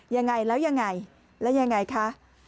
ยังไงแล้วยังไงแล้วยังไงคะ